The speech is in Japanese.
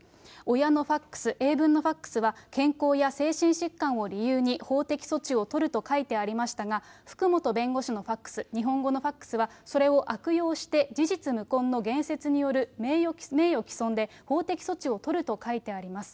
親のファックス、英文のファックスは健康や精神疾患を理由に法的措置を取ると書いてありましたが、福本弁護士のファックス、日本語のファックスは、それを悪用して、事実無根の言説による名誉毀損で、法的措置を取ると書いてあります。